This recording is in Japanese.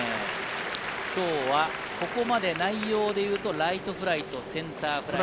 今日は、ここまでの内容でいうとライトフライとセンターフライ。